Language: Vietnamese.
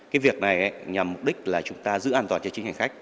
cái việc này nhằm mục đích là chúng ta giữ an toàn cho chính hành khách